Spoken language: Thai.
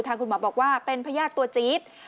คุณหมอบอกว่าเป็นพญาติตัวจี๊ด